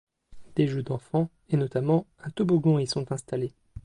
Des jeux d'enfant, et notamment un toboggan y sont installés.